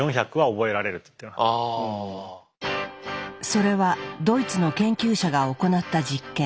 それはドイツの研究者が行った実験。